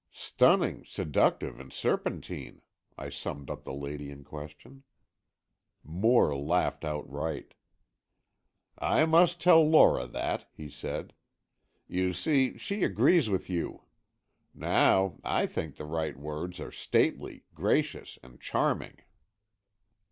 "Stunning, seductive, and serpentine," I summed up the lady in question. Moore laughed outright. "I must tell Lora that," he said. "You see, she agrees with you. Now, I think the right words are stately, gracious, and charming."